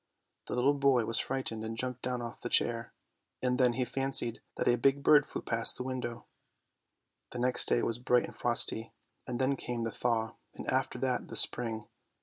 The little boy was frightened and jumped down off the chair, and then he fancied that a big bird flew past the window. The next day was bright and frosty, and then came the thaw — and after that the spring.